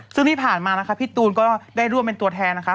ซึ่งที่ผ่านมานะคะพี่ตูนก็ได้ร่วมเป็นตัวแทนนะคะ